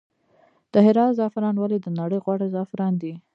د هرات زعفران ولې د نړۍ غوره زعفران دي؟